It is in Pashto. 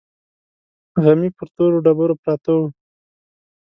غمي پر تورو ډبرو پراته وو.